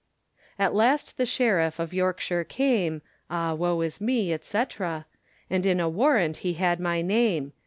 At last the shiriffe of Yorke shire came, Ah woe is me, &c. And in a warrant he had my name.